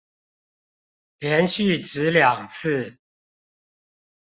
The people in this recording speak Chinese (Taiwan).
連續擲兩次